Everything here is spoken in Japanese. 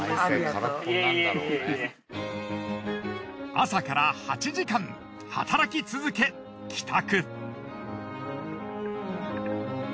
朝から８時間働き続け帰宅。